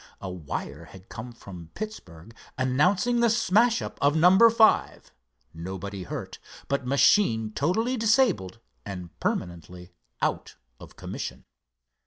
A wire had come from Pittsburgh announcing the smash—up of number five, nobody hurt, but machine totally disabled and permanently out of commission.